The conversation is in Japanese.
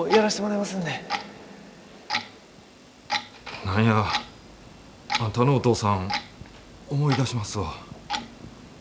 何やあんたのお父さん思い出しますわ。